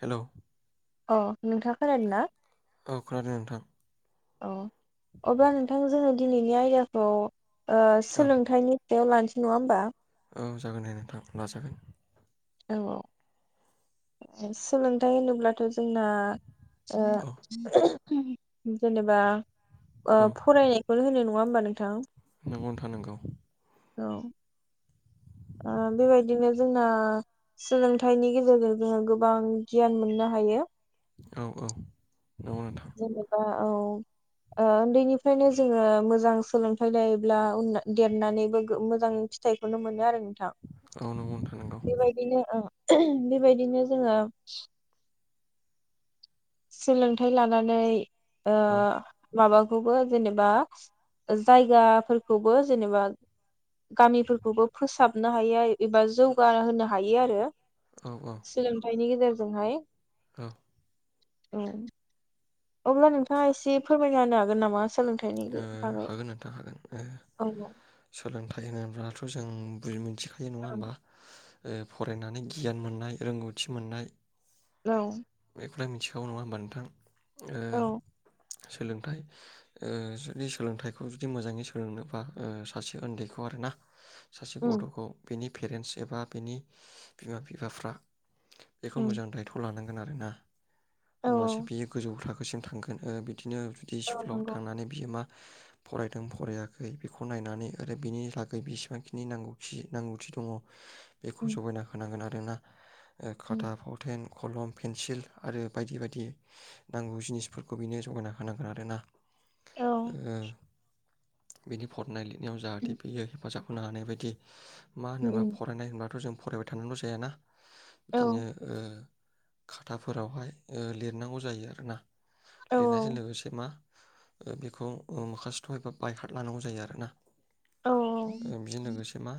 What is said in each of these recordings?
हेल' अ नोंथांङा खोनादों ना? औ खोनादों नोंथां औ अब्ला नोंथां जोङो दिनैनि आयदाखौ ओ औ सोलोंथाइनि बेयाव लानसै नङा होमबा औ जागोन दे नोंथां लाजागोन औ औ सोलोंथाइ होनोब्लाथ' जोंना ओ औ जेनेबा ओ औ फरायनायखौनो होनो नंङा बा नोंथां नंगौ नोंथां नंगौ औ ओ बेबायदिनो जोंना सोलोंथाइनि गेजेरजों जोङो गोबां गियान मोननो हायो औ औ नंगौ नोंथां जेनेबा औ ओ उन्दैनिफ्रायनो जोङो मोजां सोलोंथाइ लायोब्ला उना देरनानैबो मोजां फिथाइखौनो मोनो आरो नोंथां औ नंगौ नोंथां नंगौ बेबायदिनो ओ बेबायदिनो जोङो सोलोंथाइ लानानै ओ औ माबाखौबो जेनेबा जायगाफोरखौबो जेनेबा गामिफोरखौबो फोसाबनो हायो एबा जौगा‌ होनो हायो आरो औ सोलोंथाइनि गेजेर जोंहाय औ औ अब्ला नोंथाङा एसे फोरमायना होनो हागोन नामा सोलों ओ हागोन नोंथा हागोन औ सोलोंथाइ होनोब्लाथ' जों बुजि मिथि खायो नङा होमबा औ ओ फरायनानै गियान मोननाय रोंगौथि मोननाय औ बेखौलाय मिथिखागौ नङा होमबा नोंथां ओ औ सोलोंथाइ ओ जुदि सोलोंथाइखौ जुदि मोजाङै सोलोंनोबा सासे उन्दैखौ आरो ना सासे उम गथ'खौ बेनि पेरेन्टस एबा बिनि बिमा बिफाफ्रा बेखौ उम मोजां दायथ' लानां गोन आरोना औ होनबासो औ बि गोजौ थाखोसिम थांगोन ओ दिनो बिदि औ स्कुलाव नंगौ थांनानै बियो मा फरायदों फरायाखै बेखौ नायनानै आरो बेनि लागै बेसेबांखिनि नांगौखि नांगौथि दङ। बेखौ उम जगायना होनांगोन आ रो ना ओ उम खाथा फावथेन कलम पेन्सिल आरो बायदि बायदि नांगौ जिनिसफोरखौ बेनो जगायना होनांगोन आरो ना। ओ औ बिनि फरनाय लिर नियाव जाहाथे उम फैयो हेफाजाब खनो हानाय बायदि मा होनोबा उम फरायनाय होनब्लााथ जों फरायबाय थानल जायाना औ बिदिनो ओ खाथाफोरावहाय ओ लिरनांगौ जायो आरोना औ लिरनायजों लोगोसे मा बेखौ ओ माखासेथ एबा बायखाना लानांगौ जायो आरोना। औ ओ बिदि लोगोसे मा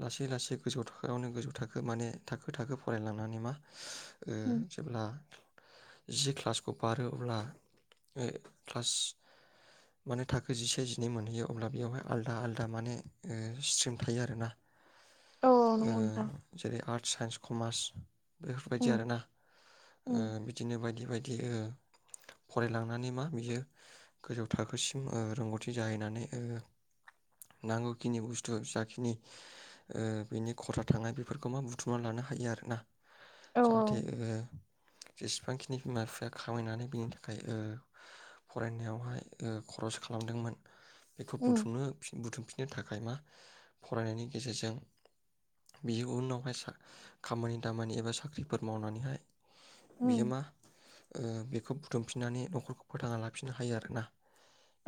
लासै लासै गोजौ थाखोआवनो गोजौ थाखो माने थाखो थाखो फरायलांनानै मा ओ उम जेब्ला जि क्लासखौ बारो अब्ला क्लास माने थाखो जिसे जिनै मोनहैयो अब्ला बेयावहाय आलादा आलदा माने ओ स्ट्रिम थायो आरोना औ ओ नंगौ नोंथां जेरै आर्ट साइन्स कमार्स बेफोरबायदि उम आरोना ओ उम बिदिनो बायदि। बिदि बायदि फरायलांनानै मा बियो गोजौ थाखोसिम ओ रोंगौथि जाहैनानै ओ नांगौखिनि बुस्थु जाखिनि ओ बेनि खरसा थांनाय बेफोरखौ मा बुथुमना लानो हायो आरोना। औ जाहाथे ओ जेसेबांखिनि बिमा बिफाया खामायनानै बिनि थाखाय ओ फरायनायावहाय ओ खरस खालामदोंमोन। बेखौ उम बुथुमनो फि बुथुमफिननो थाखाय मा फरायनायनि गेजेरजों बे उनावहाय खामानि दामानि एबा साख्रिफोर मावनानैहाय उम बियो मा ओ बेखौ बुथुमफिननानै नखरखौ फोथाङा लाफिननो हायो आरोना।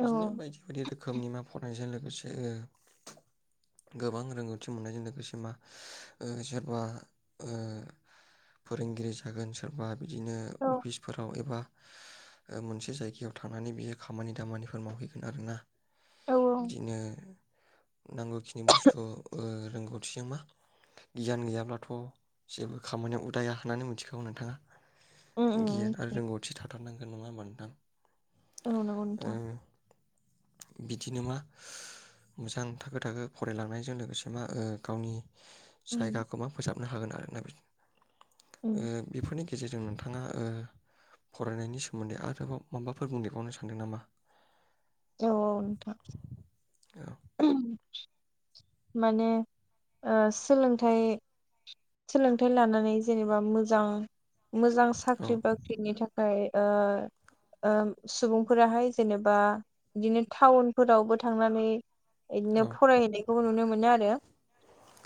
औ बायदि बायदि रोखोमनि मा फरायनायजों लोगोसे ओ गोबां रोंगौथि मोननायजों लोगोसे मा ओ सोरबा ओ फोरोंगिरि जागोन सोरबा बिदिनो औ अफिसफोराव एबा ओ मोनसे से जायगायाव थांनानै बियो खामानि दामानिफोर मावहैगोन आरो ना औ बिदिनो नांगौखिनि बुस्थु ओ रोंगौथिजों गियान गैयाब्लाथ' जेबो खामानियाव उदाया होननानै मिथिखागौ उम नोंथाङा उम गियान आरो मिथियो रोंगौथि थाथारनांगोन नङा होमबा? [unintelligible] औ नंगौ नोंथां ओ बिदिनो मा मोजां थाखो थाखो फरायलांनायजों लोगोसे मा ओ गावनि उम जायगाखौबा फोसाब हागोन आरो [unintelligible] ओ बेफोरनि गेजेरजों नोंथाङा ओ फरायनायनि सोमोन्दै आरोबाव माबाफोर बुंदेरबावनो सानदों नामा? औ नोंथां औ [inaudible] माने ओ सोलोंथाइ सोलोंथाइ लानानै जेनेबा मोजां मोजां औ साख्रि बाख्रिनि थाखाय ओ ओ सुबुंफोराहाय जेनेबा बिदिनो टाउनफोरावबो थांनानै औ बिदिनो फरायहैनायखौबो नुनो मोनो नो आरो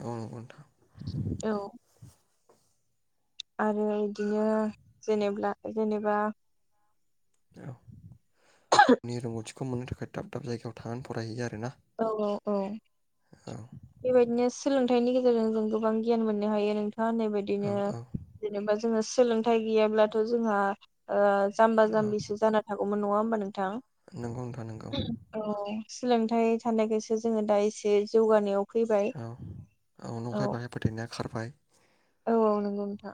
औ नंगौ नोंथां [inaudible] आरो इदिनो जेनेबा जेनेबा औ [unintelligible] दाब दाब जायगायाव थांनानै फरायहैयो आरोना औ औ औ औ बेबायदिनो सोलोंथाइनि गेजेरजों जों गोबां गियान मोननो हायो नों थाङा होननाय औ बायदिनो औ जेनेबा जोङो सोलोंथाइ गैयाब्लाथ' जोंहा ओ जाम्बा औ जाम्बिसो जाना थागौ मोन नङा होमबा नों थां नंगौ नोंथां नंगौ औ सोलोंथाइ लोगोसे जोङो दा एसे जौगानायाव फैबाय औ नंखाय बाखाय फोथायनाय खारबाय। औ औ नंगौ नोंथां।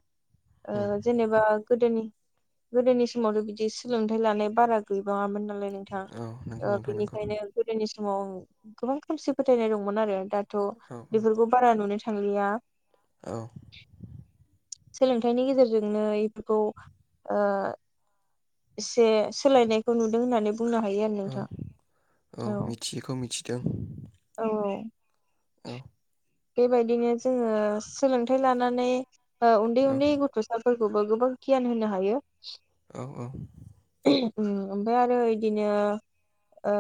उम ओ जेनेबा गोदोनि गोदोनि समावथ' बिदि सोलोंथाइ लानाय बारा गैबाङामोन ना नोंथां औ नंगौ ओ नोंथां नंगौ बेनिखायनो गोदोनि समाव गोबां खोमसि फोथायनाय दंमोन आरो। दाथ' औ बेफोरखौ बारा नुनो थ' थांलिया। औ। सोलोंथाइनि गेजेरजोंनो एफोरखौ ओ एसे सोलायनायखौ नुदों होननानै बुंनो हायो आरो औ नोंथा औ। दों। औ औ। औ। बेबायदिनो जोङो सोलोंथाइ लानानै ओ उन्दै औ उन्दै गथ'साफ फोरखौबो गोबां गियान होनो हायो। औ औ। ओहो उम ओमफ्राय आरो इदिनो ओ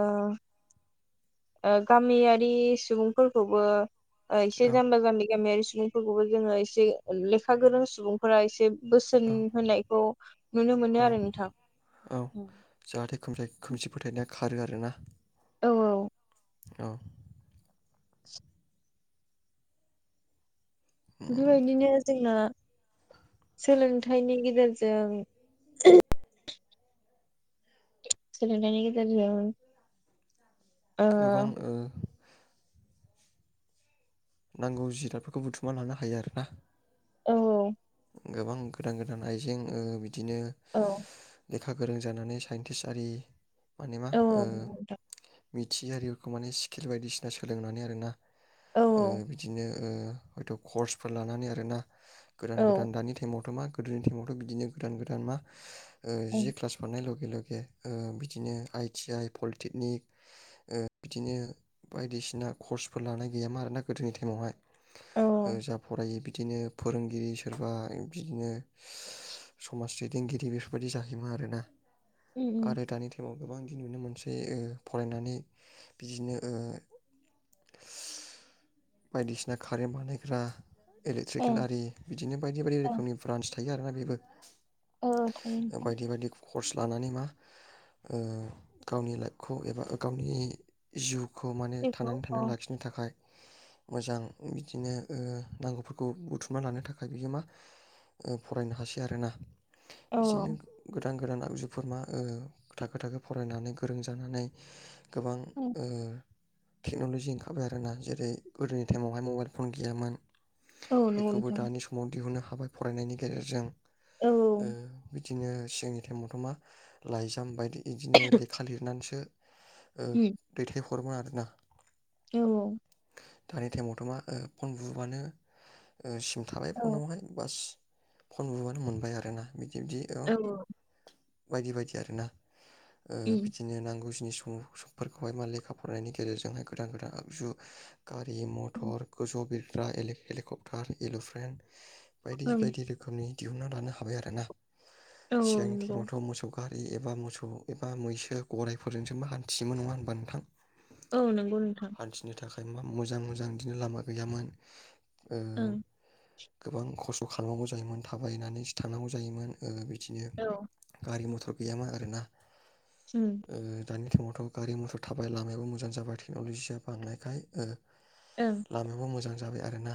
ओ गामियारि सुबुंफोरखौबो ओ इसे औ जाम्बा-जाम्बि गामियारि सुबुंफोरखौबो जोङो एसे लेखा गोरों सुबुंफोरा एसे बोसोन औ होनायखौ नुनो औ मोनो आरो नोंथां उम। खोमथाय-खोमसि फोथायनाया खारो आरोना? औ औ। औ। उम, बेबायदिनो जोंना सोलोंथाइनि गेजेरजों सोलोंथाइनि गेजेरजों ओ गोबां ओ नांगौ जिरादफोरखौ बुथुमना लानो हायो आरोना? औ औ। गोबां गोदान गोदान आइजें ओ बिद दिनो लेख औ लेखा गोरों जानानै साइन्टिस्ट आरि माने मा औ ओ नोंथां मिथियि आरिफोरखौ माने सिकेल बायदिसिना सोलोंनानै आरोना। औ ओ बिदिनो ओ हयथ' कर्सफोर लानानै आरोना। गोदान गोदान दानि टाइमावथ' मा गोदोनि टाइमावथ' बिदिनो गोदान गोदान मा ओ औ जि क्लास हरनाय ल गे लगे बिदिनो आइटि आइ पलिटेकनिक बिदिनो बायदिसिना कर्सफोर लानाय गैयामोन आरोना गोदोनि टाइमावहाय औ जा फरायो बिदिनो फोरों गिरि सोरबा बिदिनो समाज दैदेनगिरि बेफोरबायदि जाहैयोमोन आरोना। उम उम आरो दानि टाइमाव गोबां दिन नुनो मोनसे फरायनानै बिदिनो ओ बायदिसिना कारेन्ट बानायग्रा इलेक्ट्रिकेल ओं आरि बिदिनो बायदि बायदि ओं रोखोमनि ब्रान्स थायो आरोना बेबो। औ थायो नोंथां। बायदि बायदि कर्स लानानै मा ओ गावनि लाइफखौ एबा गावनि जिउ खौ माने था बेखौ थांनानै थानो औ लाखिनो थाखाय मोजां बिदिनो नांगौफोरखौ बुथुमना लानो थाखाय बियो मा फरायनो हासै आरोना। औ बिदिनो गोदान गोदान आगजुफोर मा थाखो थाखो फरायनानै गोरों जानानै गोबां उम ओ टेक्न'ल'जि ओंखारबाय आरोना जेरै गोदोनि टाइमावहाय मबाइल फन गैयामोन। औ नंगौ बेखौबो नोंथां दानि समाव दिहुननो हा बाय फरायनायनि गेजेरजों। औ ओ उम बि दिनो सिगांनि टाइमावथ' मा लाइजाम बायदि इदिनो लेखा लिरनानैसो ओ दैथाय हरोमोन आरोना। औ औ दानि टाइमावथ' मा फन बुबानो सिम थाबाय औ फनावहाय बास। फन बुबानो मोनबाय आरोना बि [unintelligible] औ ओम बायदि- बायदि आरो ना। ओ ओम बिदिनो नांगौ जिनिस ओ समफोरखौहाय मा लेखा फरायनायनि गेजेरजोंहाय गोदान- गोदान आगजु गारि मथर गोजौयाव बिर [unintelligible] हेलिक -हेलिकप्टार एलप्रेन बायदि औ -बायदि रोखोमनि दिहुनना लानो हाबाय आरो ना। औ सिगांनि नंगौ टाइमावथ' मोसौ गारि एबा मोसौ एबा मैसो गराइफोरजोंसो हान्थियोमोन नङा होनबा नोंथां? औ नंगौ नोंथां। [unintelligible] मोजां- मोजां बिदिनो लामा गैयामोन। ओ। ओं गोबां खस्थ खालामनांगौ जायोमोन थाबायनानैसो थांनांगौ जायोमोन ओ [unintelligible] औ गारि मथर गैयामोन आरो ना? ओं ओ दानि [unintelligible] मथर गारि, मथर थाबाय लामायाबो मोजां जाबाय। [unintelligible] बांनायखाय ओ ओं लामायाबो मोजां जाबाय आरोना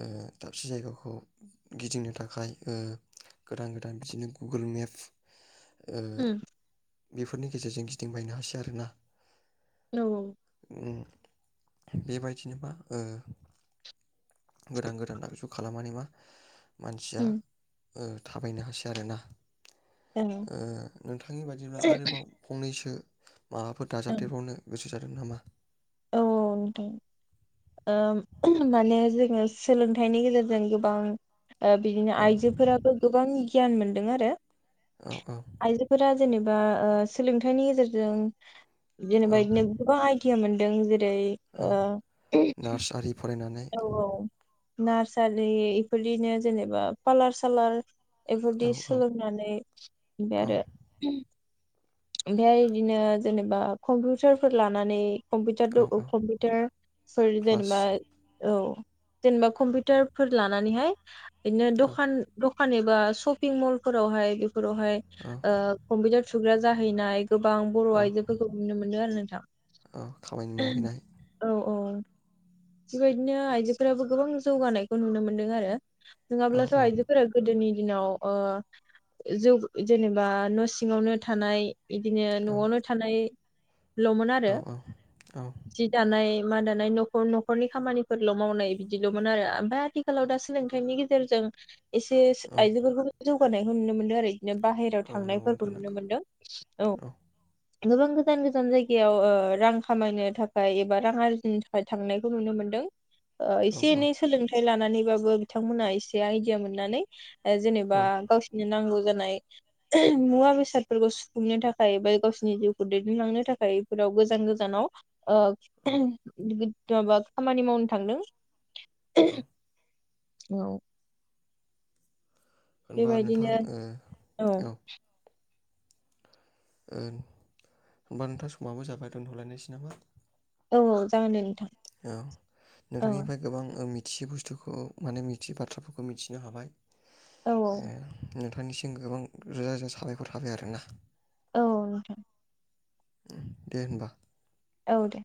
ओ दाबसे जायगाखौ गिदिंनो थाखाय ओ गोदान- गोदान बिदिनो गुगोल मेप ओ उम बेफोरनि गेजेरजों गिदिंबायनो हासै आरोना। औ, औ। ओ बेबायदिनो बा ओ गोदान- गोदान आगजु खालामनानै [unintelligible] मानसिया उम ओ थाबायनो हासै आरोना। ओ नोंथांनि बादिब्ला आरोबाव फंनैसो माबाफोर ओं दाजाबदेरबावनो गोसो [unintelligible] नामा? औ नोंथां ओ माने जोङो सोलोंथाइनि गेजेरजों गोबां ओ बिदिनो औ आइजोफोराबो गोबां गियान मोन दों आरो। औ औ आइजोफोरा जेनेब बा ओ सोलोंथाइनि गेजेरजों औ जेनेबायदिनो गोबां आयदियामोन जों जे औ [unintelligible] औ नार्स आरि फरायनानै औ। नार्सारि इफोरदिनो जेनेबा पालार सालार। औ बेफोरदि औ सोलोंनानै ओफ्राय औ आरो। ओमफाय बिदिनो जेनेबा कम्पिउटारफोर लानानै। कम्पिउटार औ औ कम्पिउटार सर क्लास जेनेबा औ। जेनेबा कम्पिउटारफोर लानानैहाय। बिदिनो औ दखान दख फानैबा शपिं मलफोरावहाय फोरावहाय औ ओ कम्पिउटार। सुग्रा जाहैनाय। गोबां बर' औ आइजोफोरखौ नुनो मोनदों आरो नों [inaudible] औ खामानि मावहैनाय। अ। बेबायदिनो आइजोफोराबो गोबां जौगानायखौ नुनो मोनदों आरो। औ नङाब्लाथ' औ आइजोफोरा गोदोनि दिनाव ओ जौ जेनेबा न' सिङावनो थानाय। बिदिनो औ न'आवनो थानाय। ल'मोन आरो औ औ जि दानाय। मा दानाय न'खर न खरनि खामानिफोरल' मावनाय बिदिल'मोन आरो ओमफाय आथिखालाव दा सोलोंथाइनि गेजेरजों एसे औ आइजो फोरखौ जौ होनायखौ नुनो मोनदों बिदिनो बाहेराव नंगौ थांनायफोरखौ नोंथां नुनो नंगौ मोनदों औ। गोबां गोजान गोजान जायगायाव ओ रां खामायनो थाखाय एबा रां आरजिनो थाखाय थांनाय खौ नुनो मोनदों। ओ औ एसे औ एनै सोलोंथाइ ला नानैबाबो बिथांमोना एसे आइदिया मोननानै औ जेनेबा गावसिरनो नांगौ जानाय मुवा बेसादफोरखौ सुफुंनो थाखाय बा गावसिरनि जिउखौ दैदेनलांनो थाखाय बेफोराव गोजान गोजानाव अ औ बा खामानि मावनो थांदों [unintelligible] औ होनबा नोंथां बेबायदिनो ओ औ होनबा नोंथां समाबो जाबाय दोनथ'लायनोसै नामा औ औ जागोन दे नोंथां औ औ नोंथांनिफ्राय गोबां ओ मि मिथियै बुस्थुखौ माने मिथियै बाथ्राफोरखौ मिथिनो हाबाय औ ए नोंनिसिम गोबां रोजा रोजा साबायखर थाबाय आरोना। औ नोंथां। दे होम्बा। औ दे।